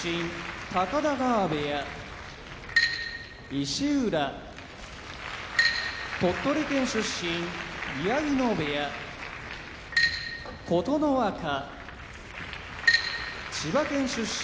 石浦鳥取県出身宮城野部屋琴ノ若千葉県出身